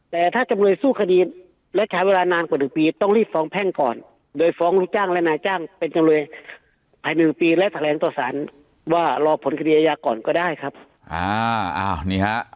แต่ถ้าจำนวยสู้คดีและขายเวลานานกว่า๑ปีต้องรีบฟ้องแพ่งก่อน